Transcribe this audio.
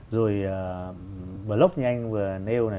rồi blog như anh và neo này